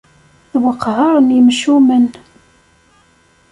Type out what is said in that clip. D weqhar n yemcumen.